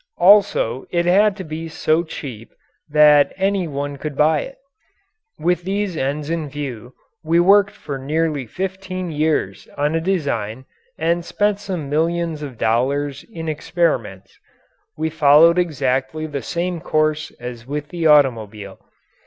Also it had to be so cheap that any one could buy it. With these ends in view, we worked for nearly fifteen years on a design and spent some millions of dollars in experiments. We followed exactly the same course as with the automobile.